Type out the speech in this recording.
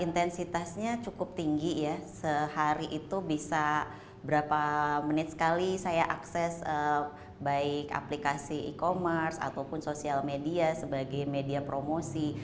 intensitasnya cukup tinggi ya sehari itu bisa berapa menit sekali saya akses baik aplikasi e commerce ataupun sosial media sebagai media promosi